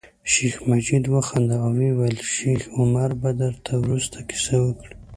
شیخ مجید وخندل او ویل یې شیخ عمر به درته وروسته کیسه وکړي.